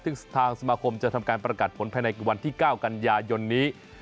ซึ่งทางสมาคมจะทำการประกาศผลภายในวันที่๙กันยายนนี้